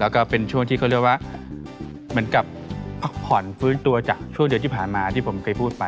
แล้วก็เป็นช่วงที่เขาเรียกว่าเหมือนกับพักผ่อนฟื้นตัวจากช่วงเดือนที่ผ่านมาที่ผมเคยพูดไป